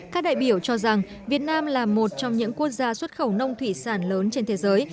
các đại biểu cho rằng việt nam là một trong những quốc gia xuất khẩu nông thủy sản lớn trên thế giới